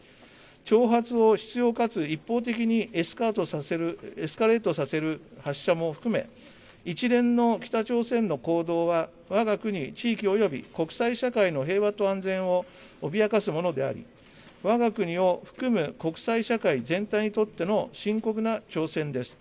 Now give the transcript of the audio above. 挑発を執ようかつ一方的にエスカレートさせる発射も含め、一連の北朝鮮の行動はわが国地域および国際社会の平和と安全を脅かすものであり、わが国を含む国際社会全体にとっての深刻な挑戦です。